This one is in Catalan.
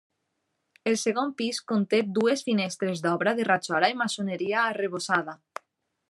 El segon pis conté dues finestres d'obra de rajola i maçoneria arrebossada.